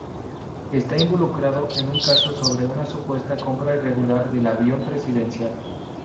Está involucrado en un caso sobre una supuesta compra irregular del Avión Presidencial.